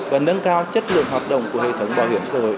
và nâng cao chất lượng hoạt động của hệ thống bảo hiểm xã hội